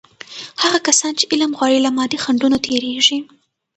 هغه کسان چې علم غواړي، له مادي خنډونو تیریږي.